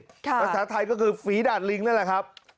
ภาษาไทยก็คือฝีดาดลิงนั่นแหละครับ